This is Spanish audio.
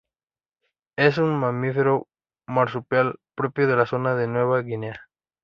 Es un mamífero marsupial propio de la zona de Nueva Guinea.